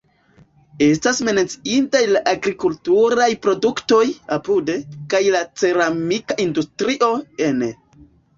Estas menciindaj la agrikulturaj produktoj (apude) kaj la ceramika industrio (ene).